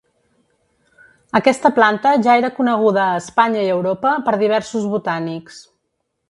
Aquesta planta ja era coneguda a Espanya i Europa per diversos botànics.